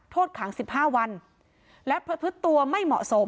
โทษขัง๑๕วันและพฤตัวไม่เหมาะสม